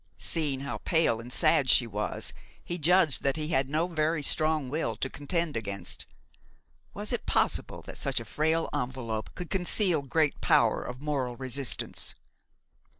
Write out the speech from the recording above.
Seeing how pale and sad she was, he judged that he had no very strong will to contend against. Was it possible that such a frail envelope could conceal great power of moral resistance?